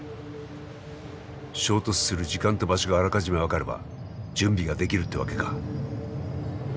衝突する時間と場所があらかじめ分かれば準備ができるってわけか。